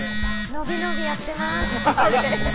のびのびやってます。